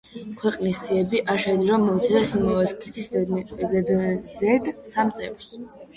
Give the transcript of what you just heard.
ქვეყნის სიები არ შეიძლება მოიცავდეს იმავე სქესის ზედიზედ სამ წევრს.